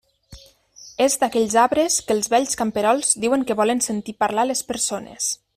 És d'aquells arbres que els vells camperols diuen que volen sentir parlar les persones.